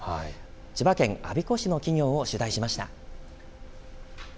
千葉県我孫子市の企業を取材しました。